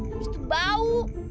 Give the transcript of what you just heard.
abis itu bau